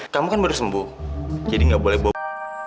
kamu kan baru sembuh jadi nggak boleh bawa